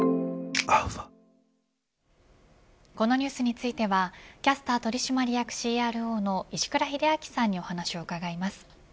このニュースについてはキャスター取締役ＣＲＯの石倉秀明さんにお話を伺います。